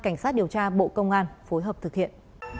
cảnh sát điều tra bộ công an phối hợp thực hiện